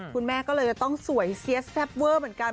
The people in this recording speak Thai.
คุณแม่ก็เลยจะต้องสวยเสียแซ่บเวอร์เหมือนกัน